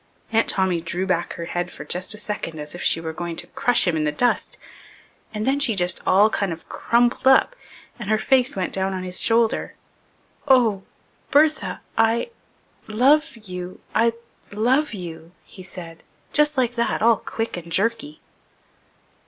Aunt Tommy drew back her head for just a second as if she were going to crush him in the dust, and then she just all kind of crumpled up and her face went down on his shoulder. "Oh Bertha I love you I love you," he said, just like that, all quick and jerky.